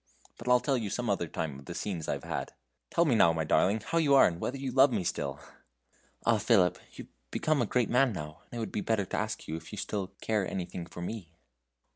But I'll tell you some other time of the scenes I've had. Tell me now, my darling, how you are, and whether you love me still!" "Ah! Philip, you've become a great man now, and it would be better to ask if you still care anything for me."